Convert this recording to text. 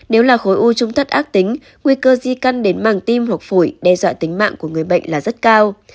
nếu là khối u trung thất tính nguy cơ di căn đến màng tim hoặc phổi đe dọa tính mạng của người bệnh là rất cao